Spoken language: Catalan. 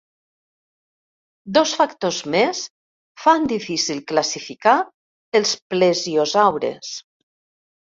Dos factors més fan difícil classificar els plesiosaures.